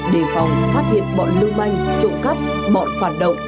đề phòng phát hiện bọn lưu manh trộm cắp bọn phản động